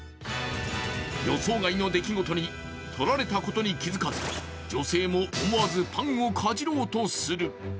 予想外の出来事にとられたことに気づかず、女性も思わずパンをかじろうとする。